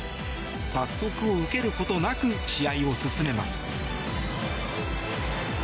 罰則を受けることなく試合を進めます。